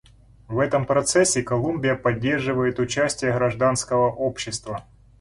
В этом процессе Колумбия поддерживает участие гражданского общества.